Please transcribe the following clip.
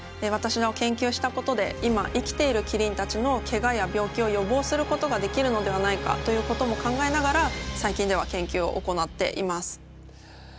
私の研究したことで今生きているキリンたちのけがや病気を予防することができるのではないかということも考えながら最近では研究を行っています。